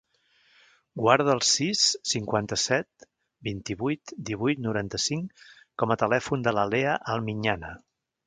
Guarda el sis, cinquanta-set, vint-i-vuit, divuit, noranta-cinc com a telèfon de la Lea Almiñana.